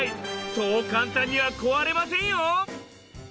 そう簡単には壊れませんよ！